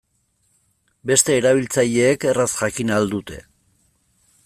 Beste erabiltzaileek erraz jakin ahal dute.